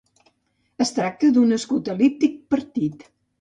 Es tracta d'un escut el·líptic partit.